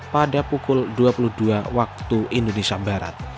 pada pukul dua puluh dua waktu indonesia barat